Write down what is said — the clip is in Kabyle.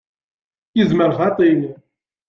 Yezmer xaṭi.